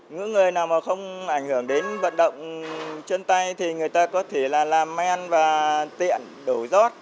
những người nào mà không ảnh hưởng đến vận động chân tay thì người ta có thể là làm men và tiện đổ giót